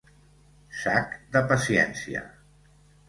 Sac de paciència.